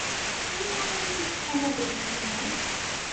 Anwa umi tefkam adlis-nni?